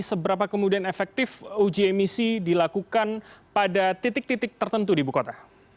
seberapa kemudian efektif uji emisi dilakukan pada titik titik tertentu di ibu kota